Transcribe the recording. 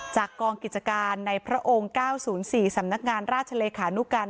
จากกองกิจการในพระองค์๙๐๔สำนักงานราชเลขานุการ